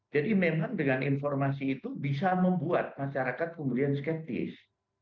jadi memang dengan informasi itu bisa membuat masyarakat kemudian skeptis